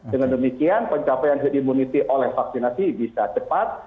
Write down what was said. dengan demikian pencapaian herd immunity oleh vaksinasi bisa cepat